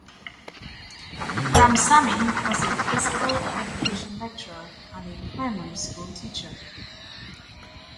Ramsamy was a physical education lecturer and a primary school teacher.